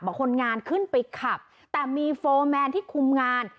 คนงานขึ้นไปขับแต่มีโฟร์แมนที่คุมงาน